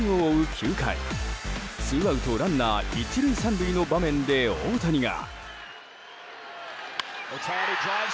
９回ツーアウト、ランナー１塁３塁の場面で大谷が。